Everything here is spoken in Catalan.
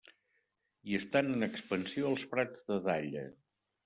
Hi estan en expansió els prats de dalla.